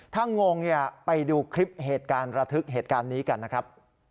ถ้างงเนี่ยไปดูคลิปเหตุการณ์ระทึกเหตุการณ์นี้กันนะครับ